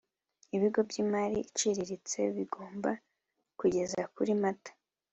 Ibigo by imari iciriritse bigomba kugeza kuri mata